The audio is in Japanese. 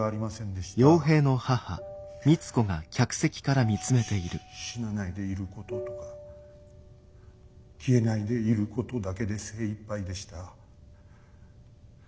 ししし死なないでいることとか消えないでいることだけで精いっぱいでした。